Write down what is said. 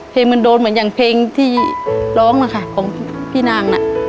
เพลงมันโดนเหมือนอย่างเพลงที่ร้องนะคะของพี่นางน่ะ